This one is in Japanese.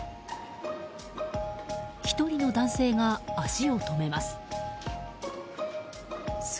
１人の男性が足を止めます。